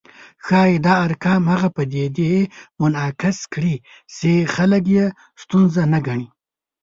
ښايي دا ارقام هغه پدیدې منعکس کړي چې خلک یې ستونزه نه ګڼي